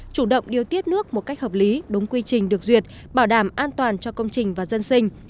chủ động điều tiết nước một cách hợp lý đúng quy trình được duyệt bảo đảm an toàn cho công trình và dân sinh